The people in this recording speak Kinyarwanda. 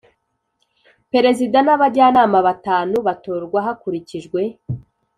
Perezida n abajyanama batanu batorwa hakurikijwe